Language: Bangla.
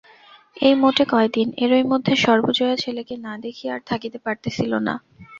এই মোটে কয়দিন, এরই মধ্যে সর্বজয়া ছেলেকে না দেখিয়া আর থাকিতে পারিতেছিল না।